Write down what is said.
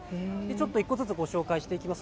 １個ずつ、ご紹介していきます。